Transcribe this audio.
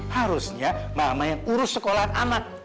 harusnya mama yang urus sekolahan anak